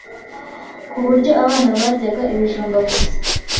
ku buryo abana baryaga ibijumba gusa